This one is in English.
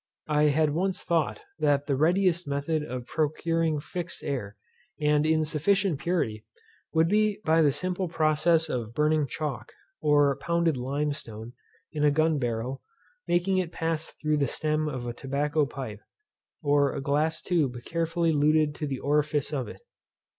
I had once thought that the readiest method of procuring fixed air, and in sufficient purity, would be by the simple process of burning chalk, or pounded lime stone in a gun barrel, making it pass through the stem of a tobacco pipe, or a glass tube carefully luted to the orifice of it.